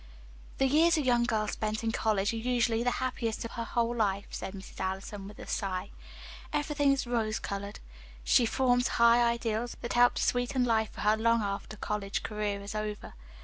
"The years a young girl spends in college are usually the happiest of her whole life," said Mrs. Allison, with a sigh. "Everything is rose colored. She forms high ideals that help to sweeten life for her long after her college career is over.